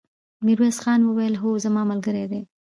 ميرويس خان وويل: هو، زما ملګری دی!